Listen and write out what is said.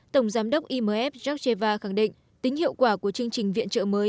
tổng giám đốc imf georgeva khẳng định tính hiệu quả của chương trình viện trợ mới